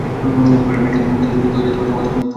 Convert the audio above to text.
কিন্তু তোমার তো বন্ধু আছে!